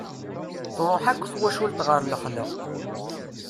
Truḥ akk twacult ɣer lexla.